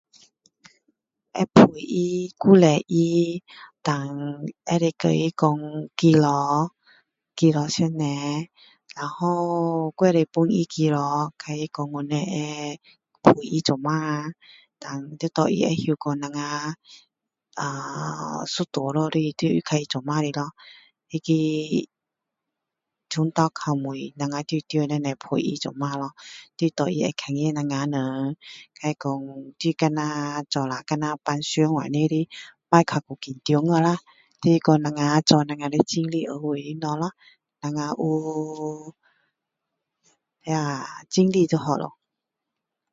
会陪他鼓励他然后可以跟他说祈祷祈祷上帝然后还可以帮他祈祷跟他说我们会陪他一起然后要给他知道说我们呃一路下来就是跟他一起的咯那个从头到尾我们就是陪他一起咯就是给他看见我们人就是说就像做了就像平时那样不要太过紧张啦就是说我们做我们尽力而为的东西咯我们尽力就好了